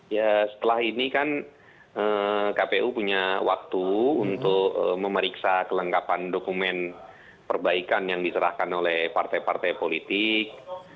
ya setelah ini kan kpu punya waktu untuk memeriksa kelengkapan dokumen perbaikan yang diserahkan oleh partai partai politik